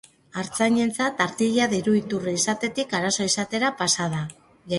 Artzainentzat, artilea diru iturri izatetik, arazo izatera pasa da.